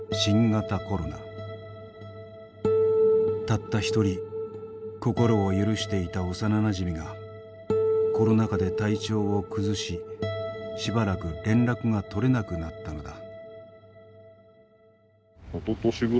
たった一人心を許していた幼なじみがコロナ禍で体調を崩ししばらく連絡がとれなくなったのだ。